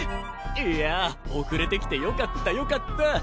いや遅れてきてよかったよかった！